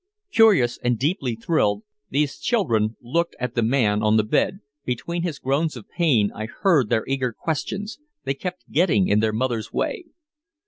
Curious and deeply thrilled, these children looked at the man on the bed, between his groans of pain I heard their eager questions, they kept getting in their mother's way.